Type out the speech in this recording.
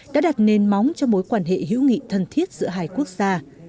đã đặt nền móng cho mối quan hệ hữu nghị thân thiết giữa hai quốc gia